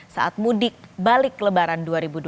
saat mudik balik lebaran dua ribu dua puluh